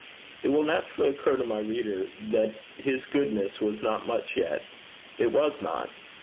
It will naturally occur to my reader that his goodness was not much yet. It was not.